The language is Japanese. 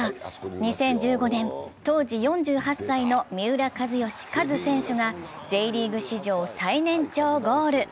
２０１５年、当時４８歳の三浦知良、カズ選手がＪリーグ史上最年長ゴール。